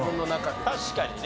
確かにね。